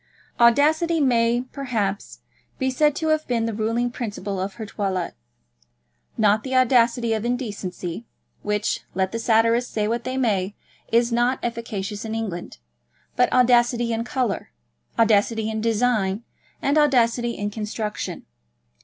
Audacity may, perhaps, be said to have been the ruling principle of her toilet; not the audacity of indecency, which, let the satirists say what they may, is not efficacious in England, but audacity in colour, audacity in design, and audacity in construction.